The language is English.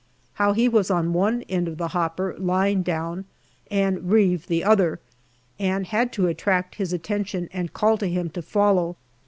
How he was on one end of the hopper, lying down, and Reave the other, and had to attract his attention and call to him to follow.